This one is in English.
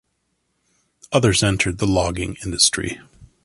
Others entered the logging industry.